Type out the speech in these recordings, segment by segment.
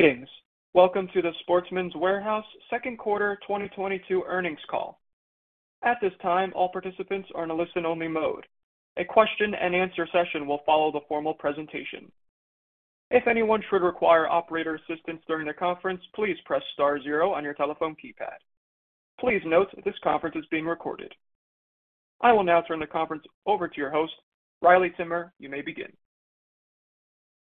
Greetings. Welcome to the Sportsman's Warehouse second quarter 2022 earnings call. At this time, all participants are in a listen-only mode. A question-and-answer session will follow the formal presentation. If anyone should require operator assistance during the conference, please press star zero on your telephone keypad. Please note that this conference is being recorded. I will now turn the conference over to your host. Riley Timmer, you may begin.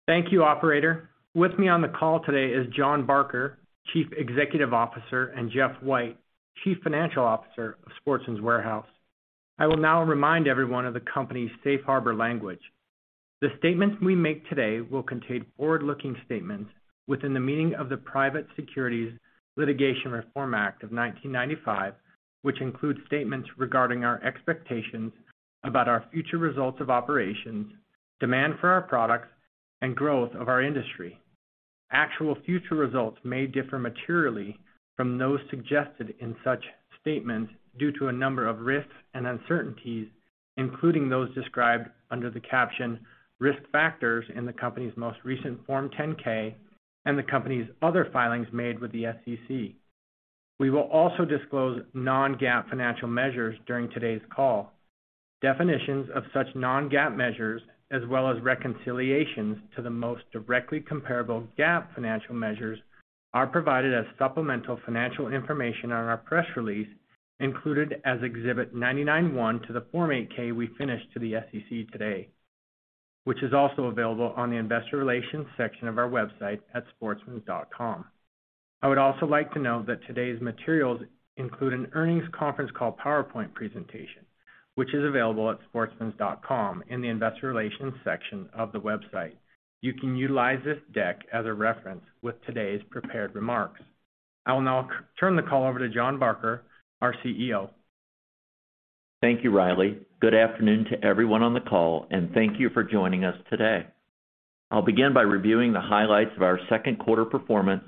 Thank you, operator. With me on the call today is Jon Barker, Chief Executive Officer, and Jeff White, Chief Financial Officer of Sportsman's Warehouse. I will now remind everyone of the company's safe harbor language. The statements we make today will contain forward-looking statements within the meaning of the Private Securities Litigation Reform Act of 1995, which includes statements regarding our expectations about our future results of operations, demand for our products, and growth of our industry. Actual future results may differ materially from those suggested in such statements due to a number of risks and uncertainties, including those described under the caption Risk Factors in the company's most recent Form 10-K and the company's other filings made with the SEC. We will also disclose non-GAAP financial measures during today's call. Definitions of such non-GAAP measures as well as reconciliations to the most directly comparable GAAP financial measures are provided as supplemental financial information on our press release included as Exhibit 99-1 to the Form 8-K we furnished to the SEC today, which is also available on the investor relations section of our website at sportsmans.com. I would also like to note that today's materials include an earnings conference call PowerPoint presentation, which is available at sportsmans.com in the investor relations section of the website. You can utilize this deck as a reference with today's prepared remarks. I will now turn the call over to Jon Barker, our CEO. Thank you, Riley. Good afternoon to everyone on the call and thank you for joining us today. I'll begin by reviewing the highlights of our second quarter performance,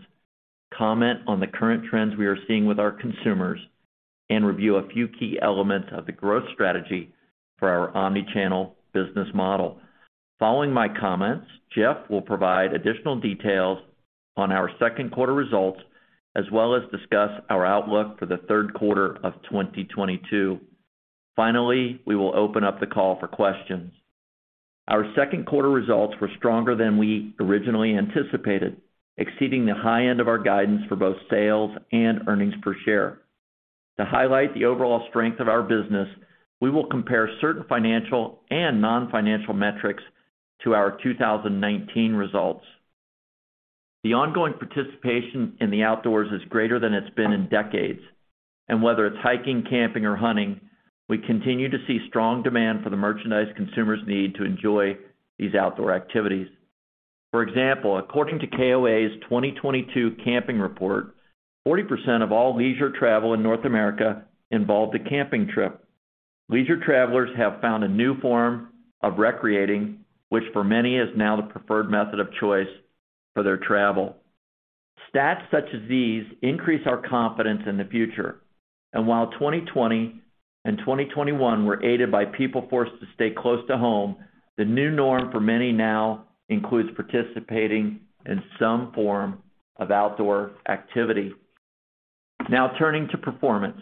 comment on the current trends we are seeing with our consumers, and review a few key elements of the growth strategy for our omni-channel business model. Following my comments, Jeff will provide additional details on our second quarter results as well as discuss our outlook for the third quarter of 2022. Finally, we will open up the call for questions. Our second quarter results were stronger than we originally anticipated, exceeding the high end of our guidance for both sales and earnings per share. To highlight the overall strength of our business, we will compare certain financial and non-financial metrics to our 2019 results. The ongoing participation in the outdoors is greater than it's been in decades, and whether it's hiking, camping, or hunting, we continue to see strong demand for the merchandise consumers need to enjoy these outdoor activities. For example, according to KOA's 2022 camping report, 40% of all leisure travel in North America involved a camping trip. Leisure travelers have found a new form of recreating, which for many is now the preferred method of choice for their travel. Stats such as these increase our confidence in the future. While 2020 and 2021 were aided by people forced to stay close to home, the new norm for many now includes participating in some form of outdoor activity. Now turning to performance.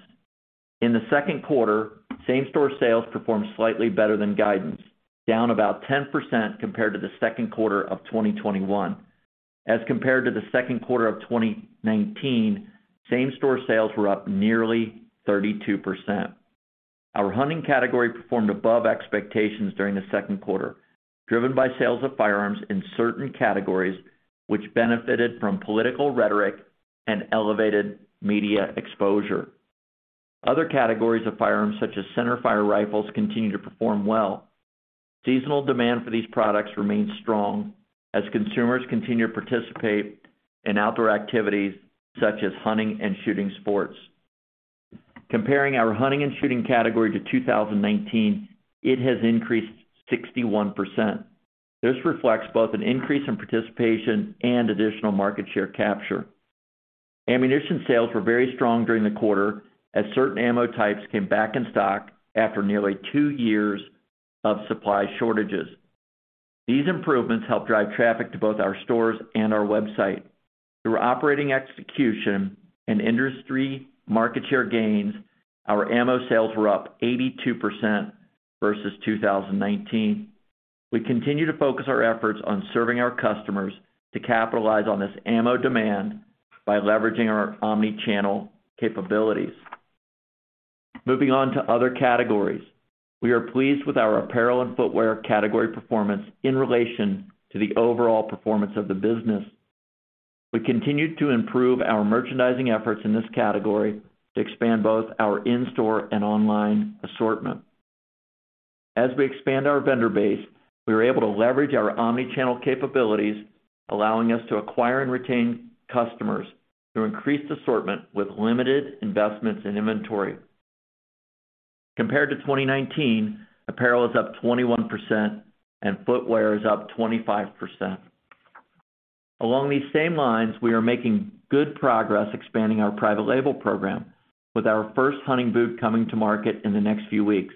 In the second quarter, same-store sales performed slightly better than guidance, down about 10% compared to the second quarter of 2021. As compared to the second quarter of 2019, same-store sales were up nearly 32%. Our hunting category performed above expectations during the second quarter, driven by sales of firearms in certain categories which benefited from political rhetoric and elevated media exposure. Other categories of firearms, such as centerfire rifles, continue to perform well. Seasonal demand for these products remains strong as consumers continue to participate in outdoor activities such as hunting and shooting sports. Comparing our hunting and shooting category to 2019, it has increased 61%. This reflects both an increase in participation and additional market share capture. Ammunition sales were very strong during the quarter as certain ammo types came back in stock after nearly two years of supply shortages. These improvements helped drive traffic to both our stores and our website. Through operating execution and industry market share gains, our ammo sales were up 82% versus 2019. We continue to focus our efforts on serving our customers to capitalize on this ammo demand by leveraging our omni-channel capabilities. Moving on to other categories. We are pleased with our apparel and footwear category performance in relation to the overall performance of the business. We continued to improve our merchandising efforts in this category to expand both our in-store and online assortment. As we expand our vendor base, we are able to leverage our omni-channel capabilities, allowing us to acquire and retain customers through increased assortment with limited investments in inventory. Compared to 2019, apparel is up 21% and footwear is up 25%. Along these same lines, we are making good progress expanding our private label program with our first hunting boot coming to market in the next few weeks,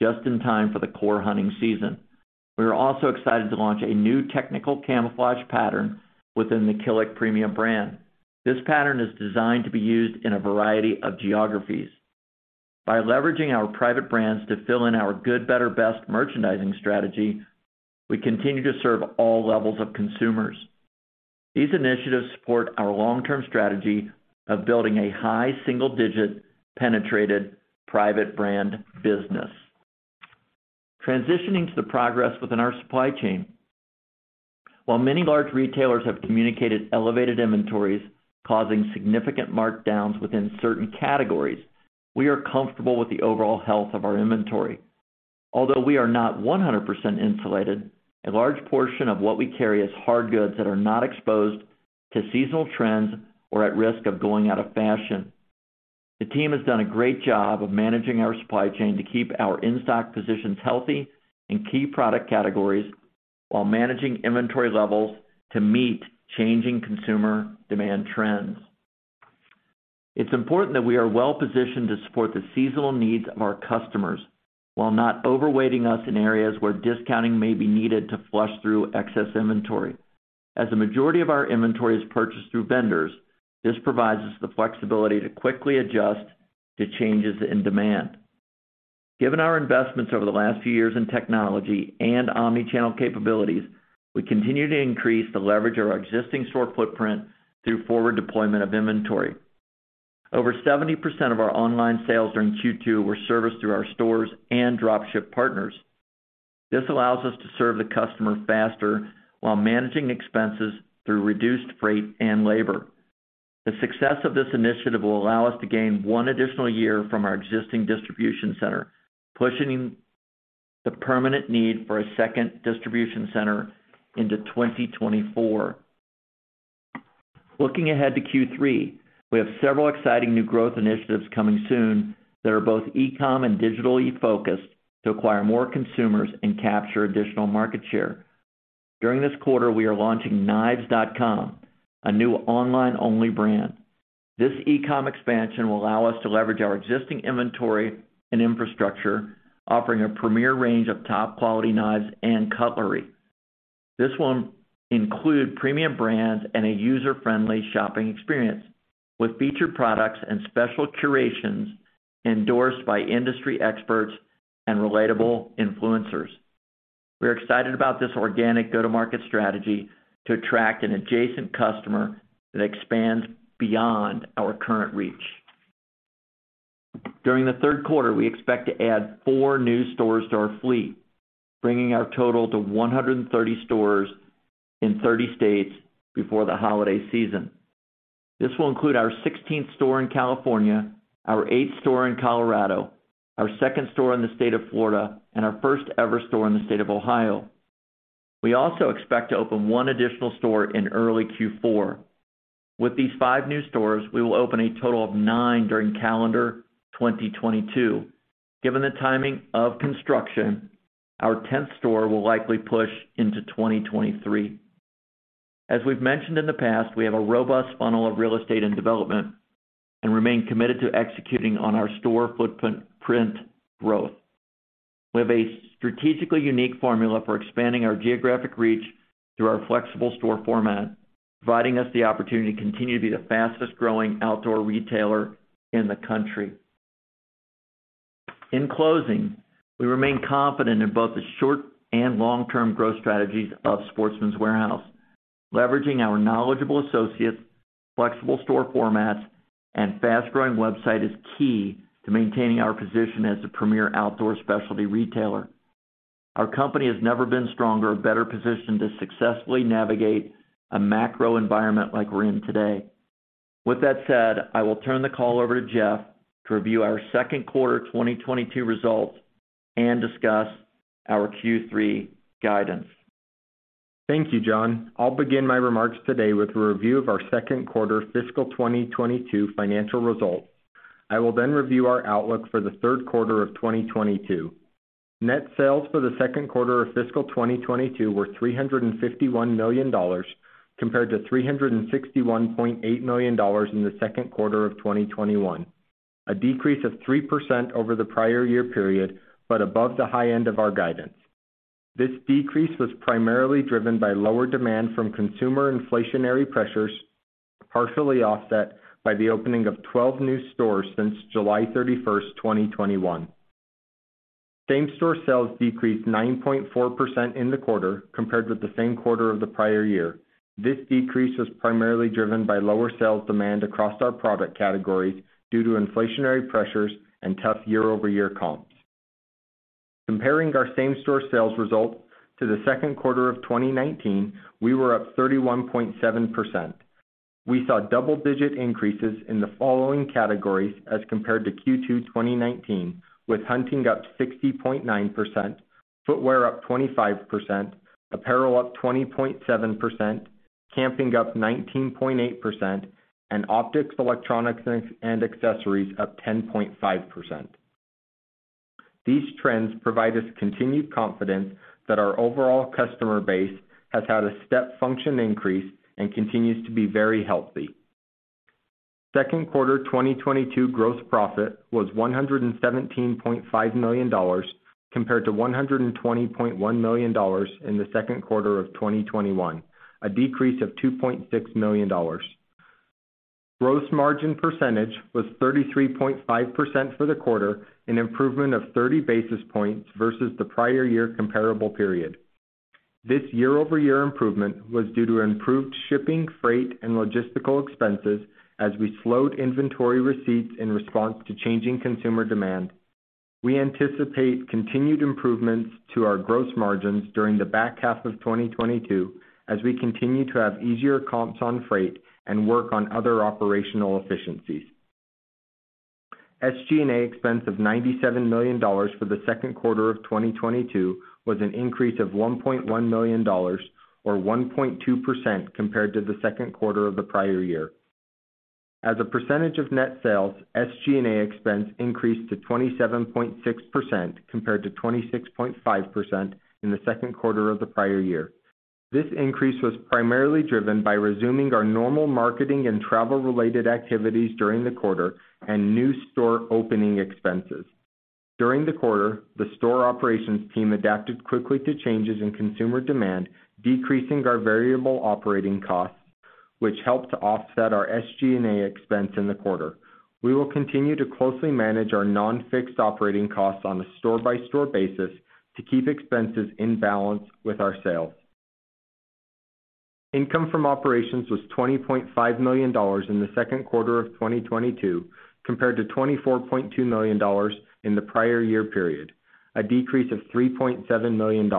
just in time for the core hunting season. We are also excited to launch a new technical camouflage pattern within the Killik premium brand. This pattern is designed to be used in a variety of geographies. By leveraging our private brands to fill in our good, better, best merchandising strategy, we continue to serve all levels of consumers. These initiatives support our long-term strategy of building a high single-digit penetrated private brand business. Transitioning to the progress within our supply chain. While many large retailers have communicated elevated inventories causing significant markdowns within certain categories, we are comfortable with the overall health of our inventory. Although we are not 100% insulated, a large portion of what we carry is hard goods that are not exposed to seasonal trends or at risk of going out of fashion. The team has done a great job of managing our supply chain to keep our in-stock positions healthy in key product categories while managing inventory levels to meet changing consumer demand trends. It's important that we are well-positioned to support the seasonal needs of our customers while not overweighting us in areas where discounting may be needed to flush through excess inventory. As the majority of our inventory is purchased through vendors, this provides us the flexibility to quickly adjust to changes in demand. Given our investments over the last few years in technology and omni-channel capabilities, we continue to increase the leverage of our existing store footprint through forward deployment of inventory. Over 70% of our online sales during Q2 were serviced through our stores and drop ship partners. This allows us to serve the customer faster while managing expenses through reduced freight and labor. The success of this initiative will allow us to gain one additional year from our existing distribution center, pushing the permanent need for a second distribution center into 2024. Looking ahead to Q3, we have several exciting new growth initiatives coming soon that are both e-com and digitally focused to acquire more consumers and capture additional market share. During this quarter, we are launching knives.com, a new online-only brand. This e-com expansion will allow us to leverage our existing inventory and infrastructure, offering a premier range of top-quality knives and cutlery. This will include premium brands and a user-friendly shopping experience with featured products and special curations endorsed by industry experts and relatable influencers. We're excited about this organic go-to-market strategy to attract an adjacent customer that expands beyond our current reach. During the third quarter, we expect to add four new stores to our fleet, bringing our total to 130 stores in 30 states before the holiday season. This will include our 16th store in California, our eighth store in Colorado, our second store in the state of Florida, and our first-ever store in the state of Ohio. We also expect to open one additional store in early Q4. With these five new stores, we will open a total of nine during calendar 2022. Given the timing of construction, our 10th store will likely push into 2023. As we've mentioned in the past, we have a robust funnel of real estate and development and remain committed to executing on our store footprint growth. We have a strategically unique formula for expanding our geographic reach through our flexible store format, providing us the opportunity to continue to be the fastest-growing outdoor retailer in the country. In closing, we remain confident in both the short and long-term growth strategies of Sportsman's Warehouse. Leveraging our knowledgeable associates, flexible store formats, and fast-growing website is key to maintaining our position as the premier outdoor specialty retailer. Our company has never been stronger or better positioned to successfully navigate a macro environment like we're in today. With that said, I will turn the call over to Jeff to review our second quarter 2022 results and discuss our Q3 guidance. Thank you, Jon. I'll begin my remarks today with a review of our second quarter fiscal 2022 financial results. I will then review our outlook for the third quarter of 2022. Net sales for the second quarter of fiscal 2022 were $351 million compared to $361.8 million in the second quarter of 2021. A decrease of 3% over the prior year period, but above the high end of our guidance. This decrease was primarily driven by lower demand from consumer inflationary pressures, partially offset by the opening of 12 new stores since July 31st, 2021. Same-store sales decreased 9.4% in the quarter compared with the same quarter of the prior year. This decrease was primarily driven by lower sales demand across our product categories due to inflationary pressures and tough year-over-year comps. Comparing our same-store sales results to the second quarter of 2019, we were up 31.7%. We saw double-digit increases in the following categories as compared to Q2 2019, with hunting up 60.9%, footwear up 25%, apparel up 20.7%, camping up 19.8%, and optics, electronics, and accessories up 10.5%. These trends provide us continued confidence that our overall customer base has had a step function increase and continues to be very healthy. Second quarter 2022 gross profit was $117.5 million compared to $120.1 million in the second quarter of 2021, a decrease of $2.6 million. Gross margin percentage was 33.5% for the quarter, an improvement of 30 basis points versus the prior year comparable period. This year-over-year improvement was due to improved shipping, freight, and logistical expenses as we slowed inventory receipts in response to changing consumer demand. We anticipate continued improvements to our gross margins during the back half of 2022 as we continue to have easier comps on freight and work on other operational efficiencies. SG&A expense of $97 million for the second quarter of 2022 was an increase of $1.1 million or 1.2% compared to the second quarter of the prior year. As a percentage of net sales, SG&A expense increased to 27.6% compared to 26.5% in the second quarter of the prior year. This increase was primarily driven by resuming our normal marketing and travel-related activities during the quarter and new store opening expenses. During the quarter, the store operations team adapted quickly to changes in consumer demand, decreasing our variable operating costs, which helped to offset our SG&A expense in the quarter. We will continue to closely manage our non-fixed operating costs on a store-by-store basis to keep expenses in balance with our sales. Income from operations was $20.5 million in the second quarter of 2022 compared to $24.2 million in the prior year period, a decrease of $3.7 million.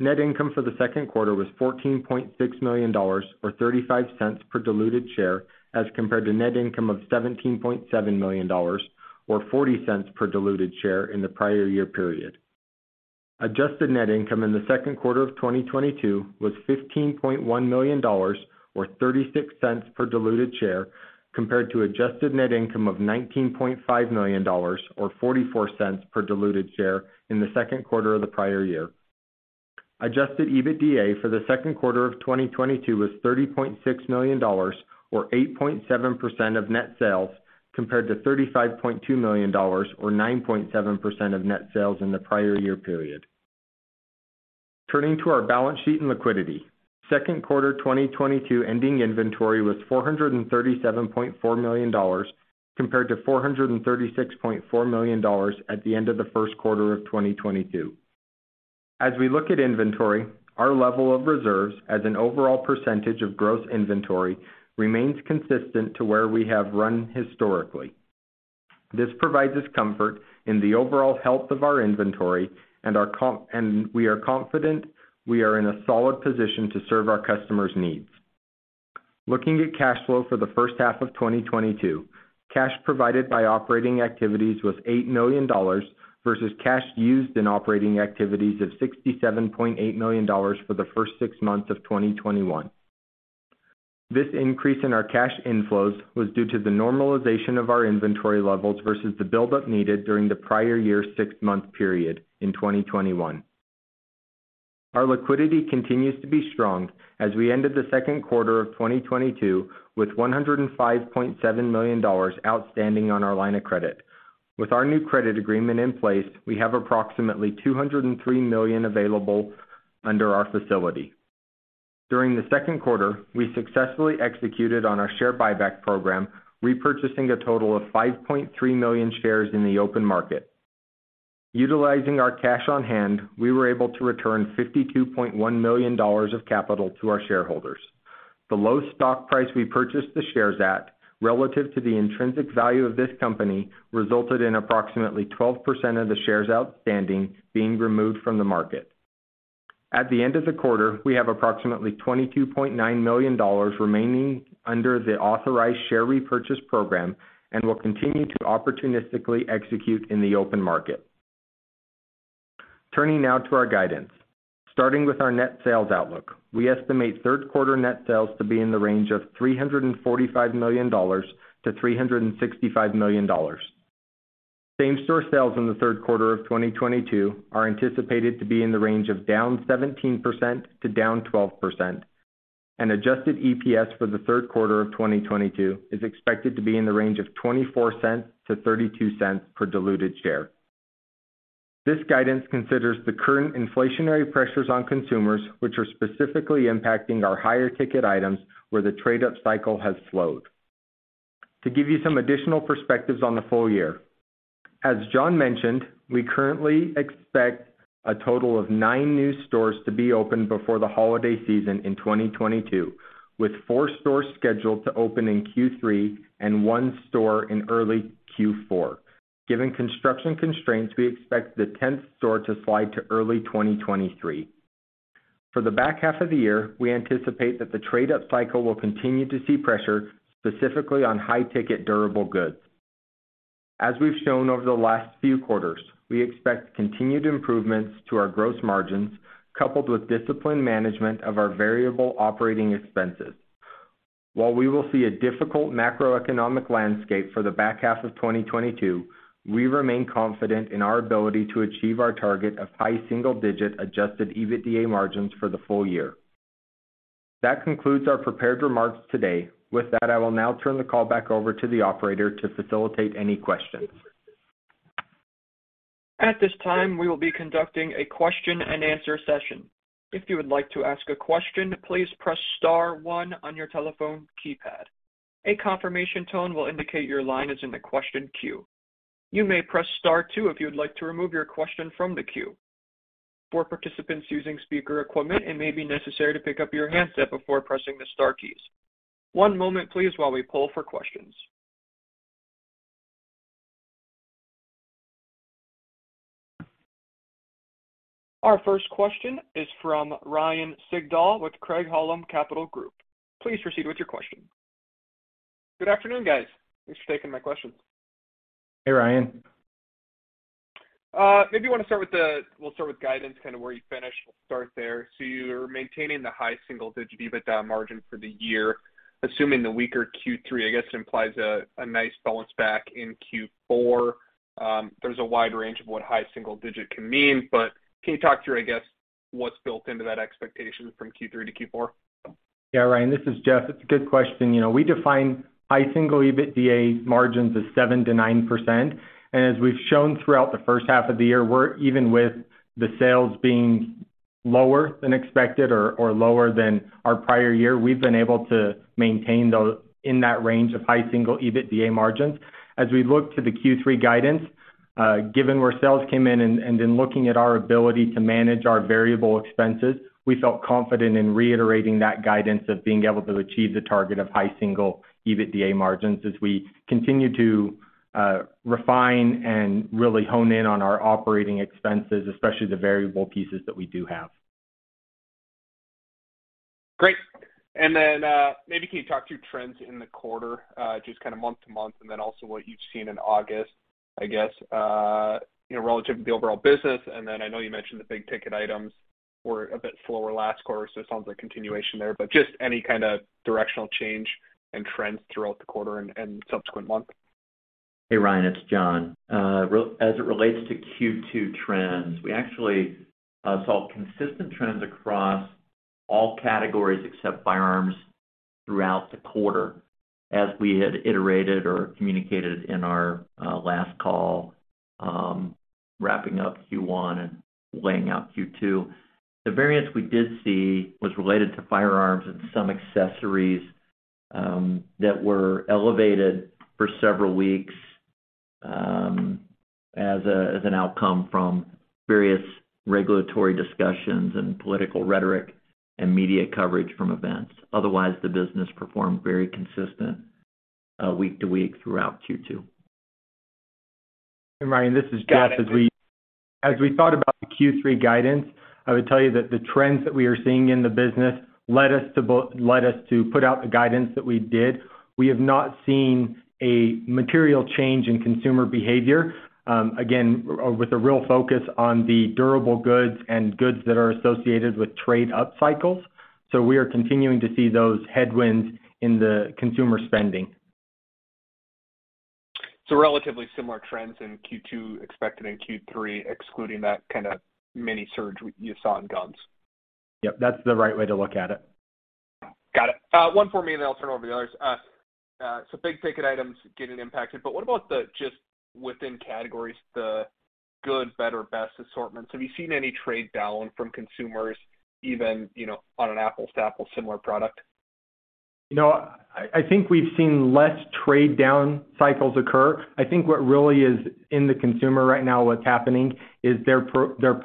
Net income for the second quarter was $14.6 million, or $0.35 per diluted share as compared to net income of $17.7 million or $0.40 per diluted share in the prior year period. Adjusted net income in the second quarter of 2022 was $15.1 million or $0.36 per diluted share compared to adjusted net income of $19.5 million or $0.44 per diluted share in the second quarter of the prior year. Adjusted EBITDA for the second quarter of 2022 was $30.6 million, or 8.7% of net sales, compared to $35.2 million or 9.7% of net sales in the prior year period. Turning to our balance sheet and liquidity. Second quarter 2022 ending inventory was $437.4 million compared to $436.4 million at the end of the first quarter of 2022. As we look at inventory, our level of reserves as an overall percentage of gross inventory remains consistent to where we have run historically. This provides us comfort in the overall health of our inventory and we are confident we are in a solid position to serve our customers' needs. Looking at cash flow for the first half of 2022, cash provided by operating activities was $8 million, versus cash used in operating activities of $67.8 million for the first six months of 2021. This increase in our cash inflows was due to the normalization of our inventory levels versus the buildup needed during the prior year six-month period in 2021. Our liquidity continues to be strong as we ended the second quarter of 2022 with $105.7 million outstanding on our line of credit. With our new credit agreement in place, we have approximately $203 million available under our facility. During the second quarter, we successfully executed on our share buyback program, repurchasing a total of 5.3 million shares in the open market. Utilizing our cash on hand, we were able to return $52.1 million of capital to our shareholders. The low stock price we purchased the shares at, relative to the intrinsic value of this company, resulted in approximately 12% of the shares outstanding being removed from the market. At the end of the quarter, we have approximately $22.9 million remaining under the authorized share repurchase program and will continue to opportunistically execute in the open market. Turning now to our guidance. Starting with our net sales outlook, we estimate third quarter net sales to be in the range of $345 million-$365 million. Same-store sales in the third quarter of 2022 are anticipated to be in the range of down 17% to down 12%. Adjusted EPS for the third quarter of 2022 is expected to be in the range of $0.24-$0.32 per diluted share. This guidance considers the current inflationary pressures on consumers, which are specifically impacting our higher ticket items where the trade up cycle has slowed. To give you some additional perspectives on the full year. As Jon mentioned, we currently expect a total of nine new stores to be opened before the holiday season in 2022, with four stores scheduled to open in Q3 and one store in early Q4. Given construction constraints, we expect the tenth store to slide to early 2023. For the back half of the year, we anticipate that the trade-up cycle will continue to see pressure, specifically on high-ticket durable goods. As we've shown over the last few quarters, we expect continued improvements to our gross margins coupled with disciplined management of our variable operating expenses. While we will see a difficult macroeconomic landscape for the back half of 2022, we remain confident in our ability to achieve our target of high single-digit adjusted EBITDA margins for the full year. That concludes our prepared remarks today. With that, I will now turn the call back over to the operator to facilitate any questions. At this time, we will be conducting a question-and-answer session. If you would like to ask a question, please press star one on your telephone keypad. A confirmation tone will indicate your line is in the question queue. You may press star two if you would like to remove your question from the queue. For participants using speaker equipment, it may be necessary to pick up your handset before pressing the star keys. One moment please while we poll for questions. Our first question is from Ryan Sigdahl with Craig-Hallum Capital Group. Please proceed with your question. Good afternoon, guys. Thanks for taking my questions. Hey, Ryan. Maybe you wanna start with guidance, kind of where you finished. We'll start there. You're maintaining the high single-digit EBITDA margin for the year. Assuming the weaker Q3, I guess, implies a nice bounce back in Q4. There's a wide range of what high single digit can mean, but can you talk through, I guess, what's built into that expectation from Q3 to Q4? Yeah, Ryan, this is Jeff. It's a good question. You know, we define high single EBITDA margins as 7%-9%. As we've shown throughout the first half of the year, we're even with the sales being lower than expected or lower than our prior year, we've been able to maintain in that range of high single EBITDA margins. As we look to the Q3 guidance, given where sales came in and then looking at our ability to manage our variable expenses, we felt confident in reiterating that guidance of being able to achieve the target of high single EBITDA margins as we continue to refine and really hone in on our operating expenses, especially the variable pieces that we do have. Great. Then maybe can you talk through trends in the quarter, just kind of month to month, and then also what you've seen in August, I guess, you know, relative to the overall business. Then I know you mentioned the big ticket items were a bit slower last quarter, so it sounds like continuation there. Just any kind of directional change and trends throughout the quarter and subsequent months. Hey, Ryan, it's Jon. As it relates to Q2 trends, we actually saw consistent trends across all categories except firearms throughout the quarter, as we had iterated or communicated in our last call, wrapping up Q1 and laying out Q2. The variance we did see was related to firearms and some accessories, that were elevated for several weeks, as an outcome from various regulatory discussions and political rhetoric and media coverage from events. Otherwise, the business performed very consistent, week to week throughout Q2. Hey, Ryan, this is Jeff. Got it. As we thought about the Q3 guidance, I would tell you that the trends that we are seeing in the business led us to put out the guidance that we did. We have not seen a material change in consumer behavior, again, with a real focus on the durable goods and goods that are associated with trade up cycles. We are continuing to see those headwinds in the consumer spending. Relatively similar trends in Q2 expected in Q3, excluding that kinda mini surge which you saw in guns. Yep, that's the right way to look at it. Got it. One for me, and then I'll turn it over to the others. Big ticket items getting impacted, but what about the, just within categories, the good, better, best assortments? Have you seen any trade down from consumers even, you know, on an apples-to-apples similar product? You know, I think we've seen less trade down cycles occur. I think what really is in the consumer right now, what's happening is they're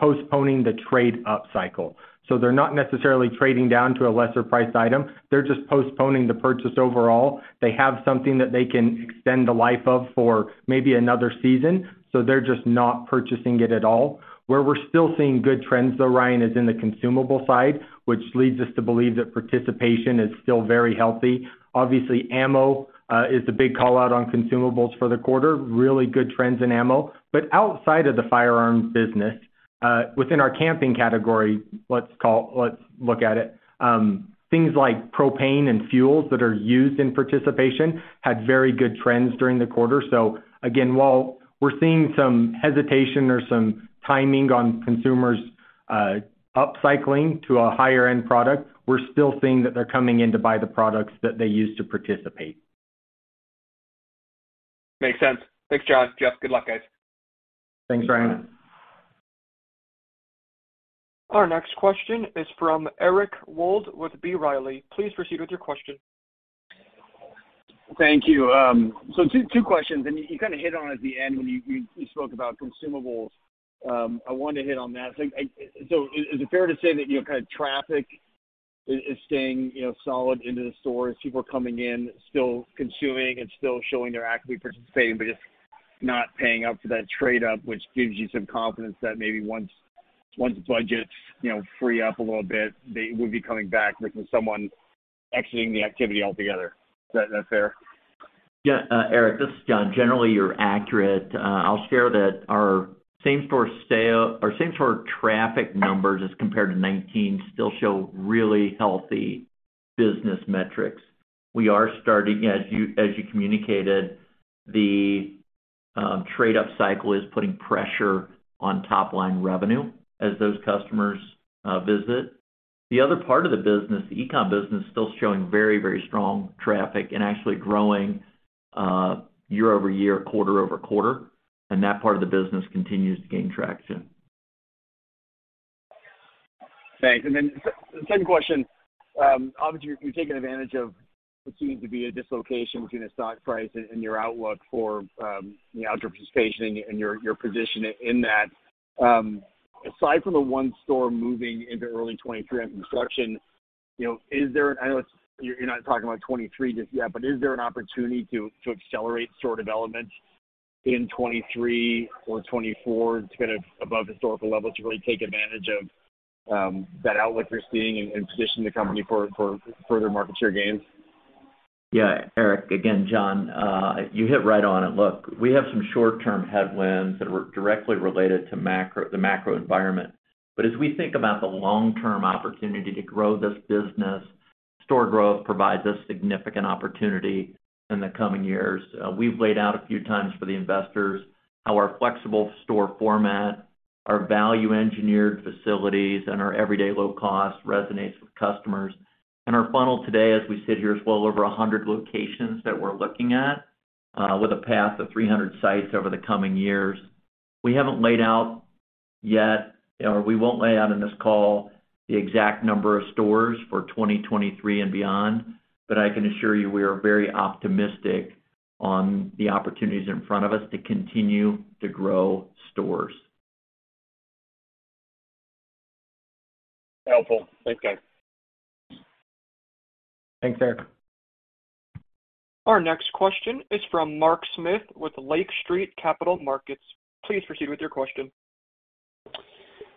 postponing the trade up cycle. They're not necessarily trading down to a lesser priced item. They're just postponing the purchase overall. They have something that they can extend the life of for maybe another season, so they're just not purchasing it at all. Where we're still seeing good trends though, Ryan, is in the consumable side, which leads us to believe that participation is still very healthy. Obviously, ammo is the big call-out on consumables for the quarter. Really good trends in ammo. But outside of the firearms business, within our camping category, let's look at it, things like propane and fuels that are used in participation had very good trends during the quarter. Again, while we're seeing some hesitation or some timing on consumers upcycling to a higher end product, we're still seeing that they're coming in to buy the products that they use to participate. Makes sense. Thanks, Jon, Jeff. Good luck, guys. Thanks, Ryan. Our next question is from Eric Wold with B. Riley. Please proceed with your question. Thank you. Two questions, and you kind of hit on it at the end when you spoke about consumables. I wanted to hit on that. Is it fair to say that, you know, kind of traffic is staying, you know, solid into the stores, people are coming in, still consuming and still showing they're actively participating, but just not paying up for that trade-up, which gives you some confidence that maybe once budgets, you know, free up a little bit, they would be coming back versus someone exiting the activity altogether. Is that fair? Yeah, Eric, this is Jon. Generally, you're accurate. I'll share that our same store traffic numbers as compared to 2019 still show really healthy business metrics. We are starting, as you communicated, the trade-up cycle is putting pressure on top line revenue as those customers visit. The other part of the business, the e-com business, still showing very, very strong traffic and actually growing year-over-year, quarter-over-quarter, and that part of the business continues to gain traction. Thanks. Then second question. Obviously, you're taking advantage of what seems to be a dislocation between the stock price and your outlook for, you know, outdoor participation and your position in that. Aside from the one store moving into early 2023 under construction, you know, I know it's you're not talking about 2023 just yet, but is there an opportunity to accelerate store development in 2023 or 2024 to kind of above historical levels to really take advantage of that outlook you're seeing and position the company for further market share gains? Yeah. Eric, again, Jon. You hit right on it. Look, we have some short-term headwinds that were directly related to the macro environment. As we think about the long-term opportunity to grow this business, store growth provides us significant opportunity in the coming years. We've laid out a few times for the investors how our flexible store format, our value engineered facilities, and our everyday low cost resonates with customers. And our funnel today, as we sit here, is well over 100 locations that we're looking at, with a path of 300 sites over the coming years. We haven't laid out yet, or we won't lay out in this call, the exact number of stores for 2023 and beyond, but I can assure you we are very optimistic on the opportunities in front of us to continue to grow stores. Helpful. Thanks, guys. Thanks, Eric. Our next question is from Mark Smith with Lake Street Capital Markets. Please proceed with your question.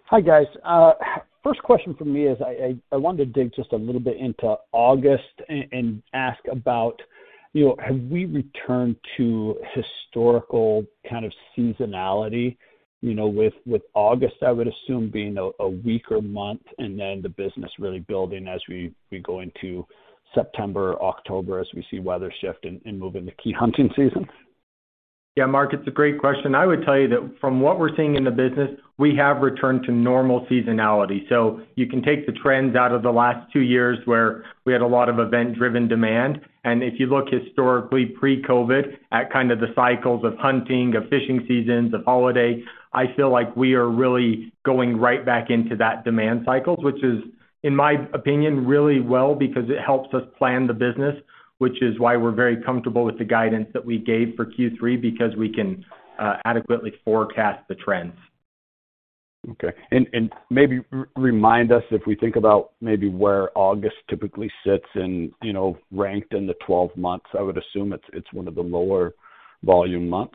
Hi, guys. First question from me is I wanted to dig just a little bit into August and ask about, you know, have we returned to historical kind of seasonality, you know, with August I would assume being a weaker month, and then the business really building as we go into September, October, as we see weather shift and move into key hunting seasons? Yeah. Mark, it's a great question. I would tell you that from what we're seeing in the business, we have returned to normal seasonality. You can take the trends out of the last two years, where we had a lot of event-driven demand, and if you look historically pre-COVID at kind of the cycles of hunting, of fishing seasons, of holiday, I feel like we are really going right back into that demand cycles, which is, in my opinion, really well because it helps us plan the business, which is why we're very comfortable with the guidance that we gave for Q3 because we can adequately forecast the trends. Okay. Maybe remind us if we think about maybe where August typically sits in, you know, ranked in the twelve months. I would assume it's one of the lower volume months.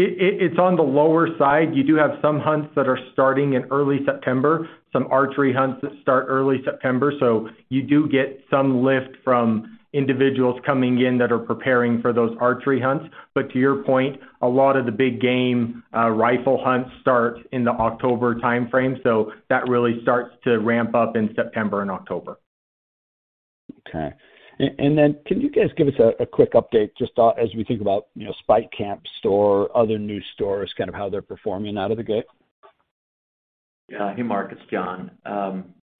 It's on the lower side. You do have some hunts that are starting in early September, some archery hunts that start early September, so you do get some lift from individuals coming in that are preparing for those archery hunts. To your point, a lot of the big game rifle hunts start in the October timeframe, so that really starts to ramp up in September and October. Okay. Can you guys give us a quick update just as we think about, you know, Spike Camp store, other new stores, kind of how they're performing out of the gate? Yeah. Hey, Mark, it's Jon.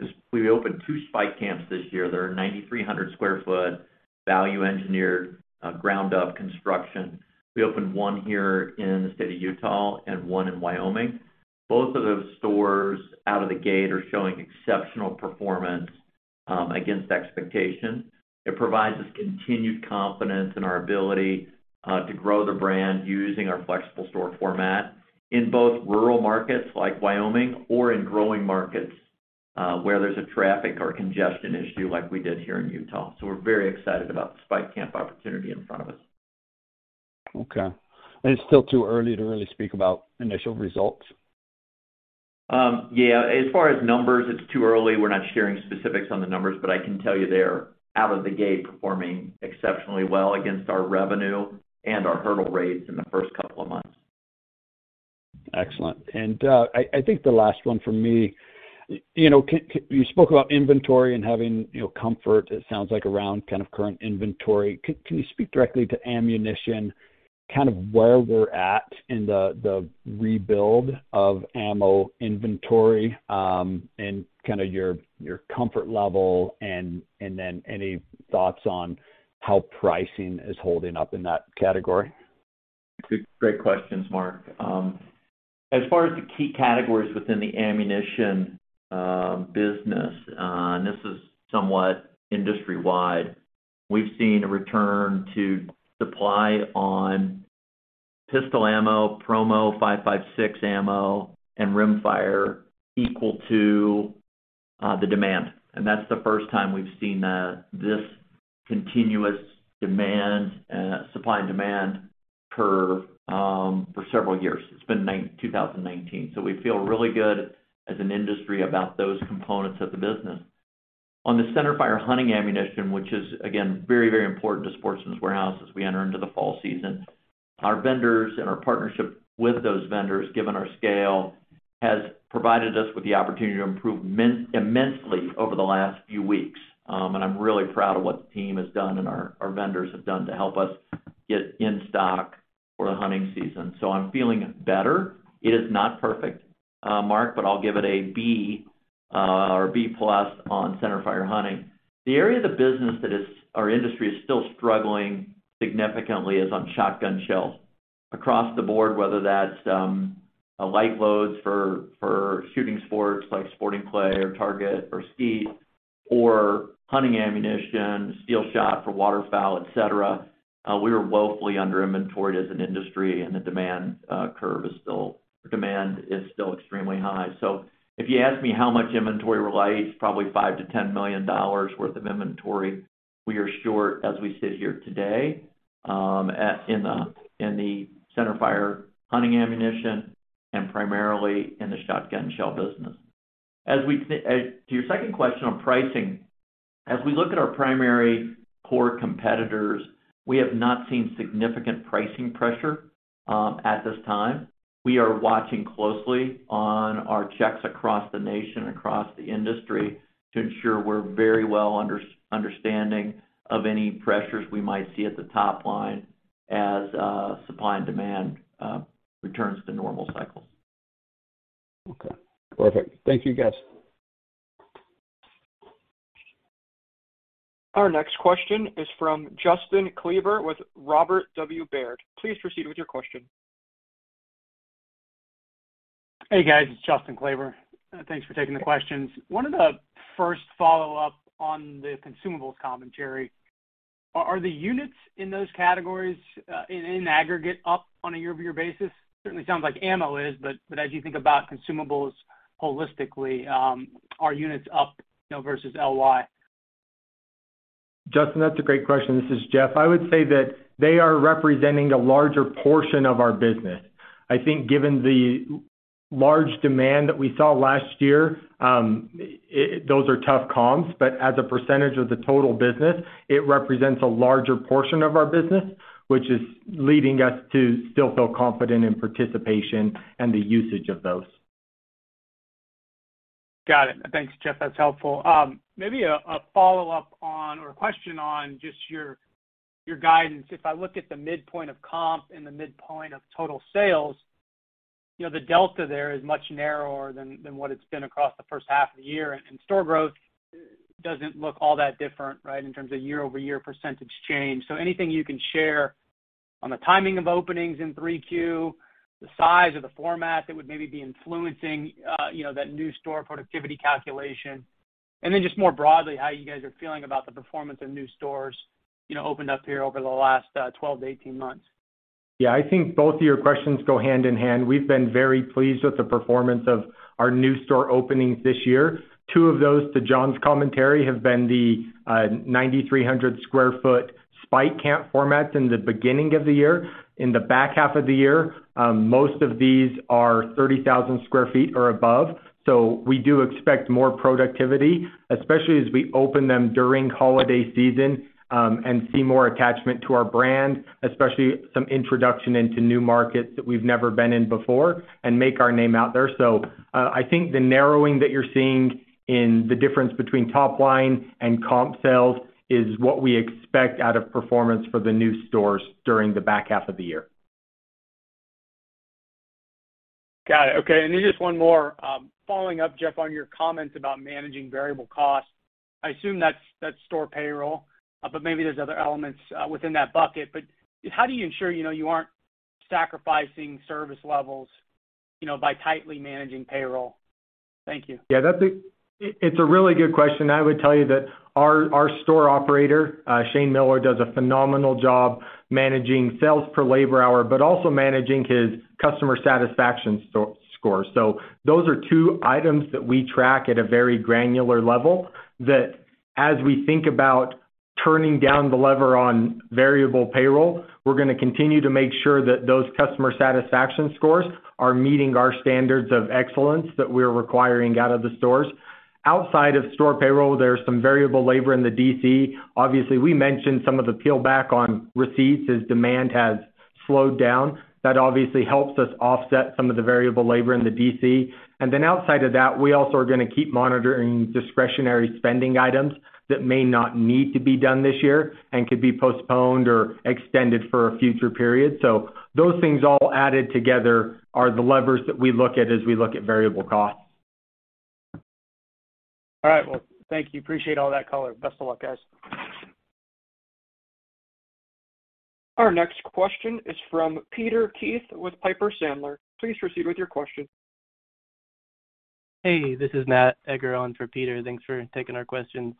As we opened two Spike Camps this year. They're 9,300 sq ft value-engineered ground-up construction. We opened one here in the state of Utah and one in Wyoming. Both of those stores out of the gate are showing exceptional performance against expectation. It provides us continued confidence in our ability to grow the brand using our flexible store format in both rural markets like Wyoming or in growing markets where there's a traffic or congestion issue like we did here in Utah. We're very excited about the Spike Camp opportunity in front of us. Okay. It's still too early to really speak about initial results? As far as numbers, it's too early. We're not sharing specifics on the numbers, but I can tell you they're out of the gate performing exceptionally well against our revenue and our hurdle rates in the first couple of months. Excellent. I think the last one from me, you know, you spoke about inventory and having, you know, comfort, it sounds like, around kind of current inventory. You speak directly to ammunition, kind of where we're at in the rebuild of ammo inventory, and kinda your comfort level and then any thoughts on how pricing is holding up in that category? Great questions, Mark. As far as the key categories within the ammunition business, and this is somewhat industry-wide, we've seen a return to supply on pistol ammo, 5.56 ammo, and rimfire equal to the demand. That's the first time we've seen this continuous supply and demand curve for several years. It's been 2019. We feel really good as an industry about those components of the business. On the centerfire hunting ammunition, which is again very, very important to Sportsman's Warehouse as we enter into the fall season, our vendors and our partnership with those vendors, given our scale, has provided us with the opportunity to improve immensely over the last few weeks. I'm really proud of what the team has done and our vendors have done to help us get in-stock. For the hunting season. I'm feeling better. It is not perfect, Mark, but I'll give it a B or B+ on centerfire hunting. The area of the business that our industry is still struggling significantly is on shotgun shells. Across the board, whether that's light loads for shooting sports like sporting clay or target or skeet, or hunting ammunition, steel shot for waterfowl, et cetera, we were woefully under-inventoried as an industry, and the demand curve is still demand is still extremely high. If you ask me how much inventory relates, probably $5 million-$10 million worth of inventory we are short as we sit here today, in the centerfire hunting ammunition and primarily in the shotgun shell business. To your second question on pricing, as we look at our primary core competitors, we have not seen significant pricing pressure at this time. We are watching closely on our checks across the nation, across the industry to ensure we're very well understanding of any pressures we might see at the top line as supply and demand returns to normal cycles. Okay. Perfect. Thank you, guys. Our next question is from Justin Kleber with Robert W. Baird. Please proceed with your question. Hey, guys, it's Justin Kleber. Thanks for taking the questions. I wanted to first follow up on the consumable commentary. Are the units in those categories in aggregate up on a year-over-year basis? Certainly sounds like ammo is, but as you think about consumables holistically, are units up, you know, versus LY? Justin, that's a great question. This is Jeff. I would say that they are representing a larger portion of our business. I think given the large demand that we saw last year, those are tough comps, but as a percentage of the total business, it represents a larger portion of our business, which is leading us to still feel confident in participation and the usage of those. Got it. Thanks, Jeff. That's helpful. Maybe a follow-up or question on just your guidance. If I look at the midpoint of comp and the midpoint of total sales, you know, the delta there is much narrower than what it's been across the first half of the year. Store growth doesn't look all that different, right, in terms of year-over-year percentage change. Anything you can share on the timing of openings in 3Q, the size or the format that would maybe be influencing, you know, that new store productivity calculation? And then just more broadly, how you guys are feeling about the performance of new stores, you know, opened up here over the last 12-18 months. Yeah. I think both of your questions go hand in hand. We've been very pleased with the performance of our new store openings this year. Two of those, to Jon's commentary, have been the 9,300 sq ft Spike Camp formats in the beginning of the year. In the back half of the year, most of these are 30,000 sq ft or above. We do expect more productivity, especially as we open them during holiday season, and see more attachment to our brand, especially some introduction into new markets that we've never been in before and make our name out there. I think the narrowing that you're seeing in the difference between top line and comp sales is what we expect out of performance for the new stores during the back half of the year. Got it. Okay. Just one more. Following up, Jeff, on your comments about managing variable costs. I assume that's store payroll, but maybe there's other elements within that bucket. How do you ensure, you know, you aren't sacrificing service levels, you know, by tightly managing payroll? Thank you. Yeah, that's a really good question. I would tell you that our store operator, Shane Miller, does a phenomenal job managing sales per labor hour, but also managing his customer satisfaction score. Those are two items that we track at a very granular level that as we think about turning down the lever on variable payroll, we're gonna continue to make sure that those customer satisfaction scores are meeting our standards of excellence that we're requiring out of the stores. Outside of store payroll, there's some variable labor in the DC. Obviously, we mentioned some of the [pull back] on receipts as demand has slowed down. That obviously helps us offset some of the variable labor in the DC. Outside of that, we also are gonna keep monitoring discretionary spending items that may not need to be done this year and could be postponed or extended for a future period. those things all added together are the levers that we look at as we look at variable costs. All right. Well, thank you. Appreciate all that color. Best of luck, guys. Our next question is from Peter Keith with Piper Sandler. Please proceed with your question. Hey, this is [Matt Koranda] on for Peter Keith. Thanks for taking our questions.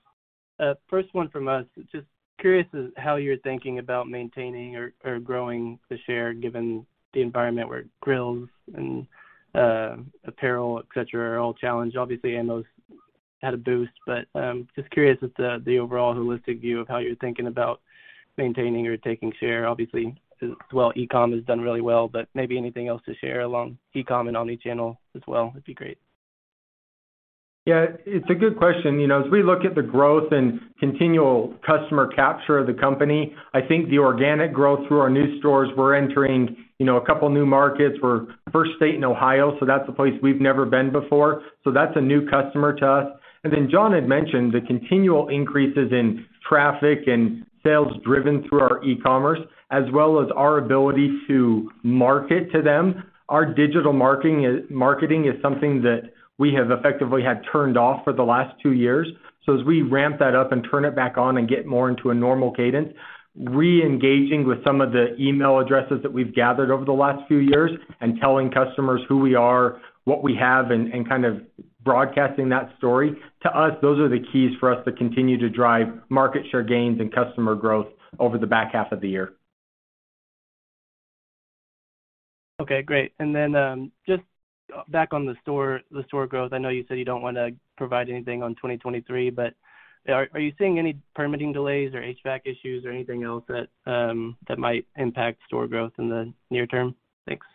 First one from us, just curious as to how you're thinking about maintaining or growing the share given the environment where grills and apparel, et cetera, are all challenged. Obviously, ammos had a boost, but just curious just the overall holistic view of how you're thinking about maintaining or taking share. Obviously as well, e-com has done really well, but maybe anything else to share along e-com and omnichannel as well would be great. Yeah, it's a good question. You know, as we look at the growth and continual customer capture of the company, I think the organic growth through our new stores, we're entering, you know, a couple of new markets. We're first store in Ohio, so that's a place we've never been before, so that's a new customer to us. Then Jon had mentioned the continual increases in traffic and sales driven through our e-commerce, as well as our ability to market to them. Our digital marketing is something that we have effectively had turned off for the last two years. As we ramp that up and turn it back on and get more into a normal cadence, re-engaging with some of the email addresses that we've gathered over the last few years and telling customers who we are, what we have, and kind of broadcasting that story, to us, those are the keys for us to continue to drive market share gains and customer growth over the back half of the year. Okay, great. Just back on the store, the store growth. I know you said you don't wanna provide anything on 2023, but are you seeing any permitting delays or HVAC issues or anything else that might impact store growth in the near term? Thanks.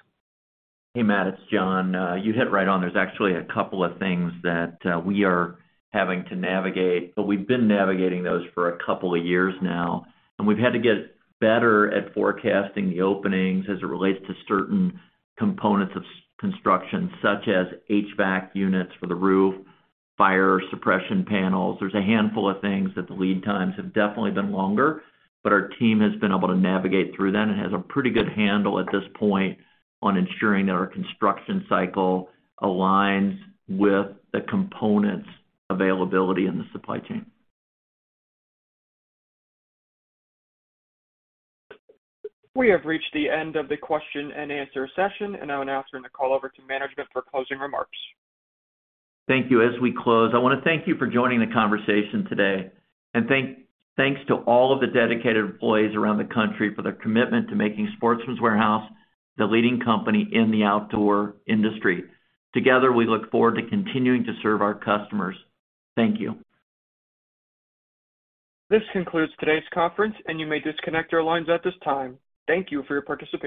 Hey, Matt, it's Jon. You hit right on. There's actually a couple of things that we are having to navigate, but we've been navigating those for a couple of years now. We've had to get better at forecasting the openings as it relates to certain components of construction, such as HVAC units for the roof, fire suppression panels. There's a handful of things that the lead times have definitely been longer, but our team has been able to navigate through them and has a pretty good handle at this point on ensuring that our construction cycle aligns with the components availability in the supply chain. We have reached the end of the question-and-answer session, and I'll now turn the call over to management for closing remarks. Thank you. As we close, I wanna thank you for joining the conversation today. Thanks to all of the dedicated employees around the country for their commitment to making Sportsman's Warehouse the leading company in the outdoor industry. Together, we look forward to continuing to serve our customers. Thank you. This concludes today's conference, and you may disconnect your lines at this time. Thank you for your participation.